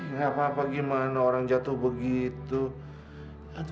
nggak apa apa gimana orang jatuh begitu